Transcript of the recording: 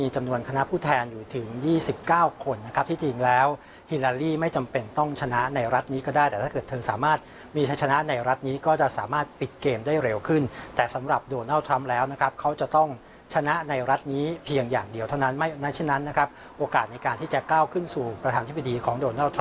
จอมพลดาสุโขข่าวเทวรัฐทีวีรายงาน